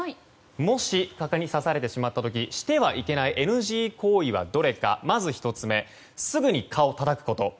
もし刺されてしまった時してはいけないＮＧ行為はどれかまず１つ目すぐに蚊をたたくこと。